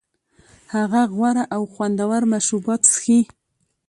هغه غوره او خوندور مشروبات څښي